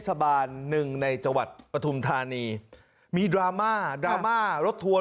สาบานหนึ่งในจังหวัดปฐุมธานีมีดราม่าดราม่ารถทัวร์